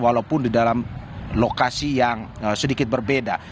walaupun di dalam lokasi yang sedikit berbeda